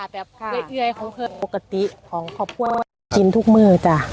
โปรกติของเขาพูดว่าจินทุกเมื่อจ้ะ